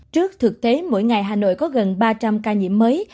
trước thực tế mỗi ngày hà nội có gần ba trăm linh ca nhiễm mới